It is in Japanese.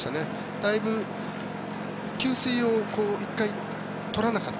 だいぶ給水を１回取らなかった。